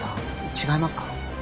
違いますか？